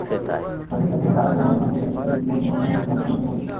মার্কিন president Barack ওবামার সঙ্গে একটি ব্যক্তিগত মধ্যাহ্নভোজে অংশ নেবেন মোদি।